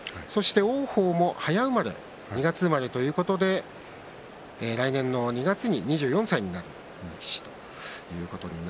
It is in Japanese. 王鵬も早生まれ２月生まれということで来年の２月に２４歳になる力士です。